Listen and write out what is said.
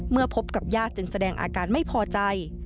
พบกับญาติจึงแสดงอาการไม่พอใจ